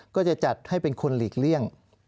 ก็จะจัดให้เป็นคนหลีกเลี่ยง